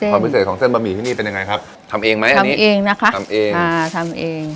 ความพิเศษของเส้นบะหมี่ที่นี่เป็นยังไงครับทำเองไหมอันนี้เองนะคะทำเองอ่าทำเอง